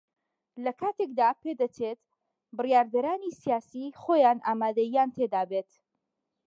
لە کاتێکدا پێدەچێت بڕیاردەرانی سیاسی خۆیان ئامادەیییان تێدا بێت